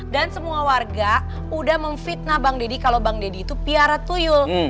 dan semua warga udah memfitnah bang deddy kalau bang deddy itu piara tuyul